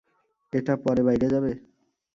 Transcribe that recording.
এটা পরে বাইরে যাবে?